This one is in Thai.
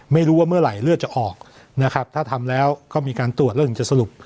ไม่รู้ว่าเมื่อไหร่เลือดจะออกนะครับถ้าทำแล้วก็มีการตรวจแล้วถึงจะสรุป